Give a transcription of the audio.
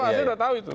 saya sudah tahu itu